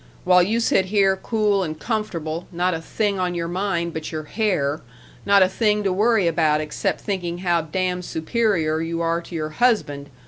while you sit here cool and comfortable; not a thing on your mind but your hair; not a thing to worry about except thinking how damn superior you are to your husband!